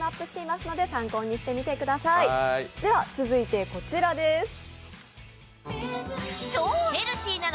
続いてこちらです。